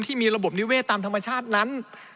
ที่มีระบบนิเวศตามธรรมชาตินั้น